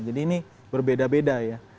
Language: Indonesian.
jadi ini berbeda beda ya